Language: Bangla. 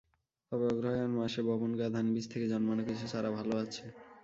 তবে অগ্রহায়ণ মাসে বপন করা ধানবীজ থেকে জন্মানো কিছু চারা ভালো আছে।